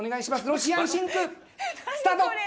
ロシアンシンクスタート。